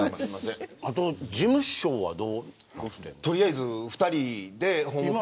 あと、事務所はどうなるの。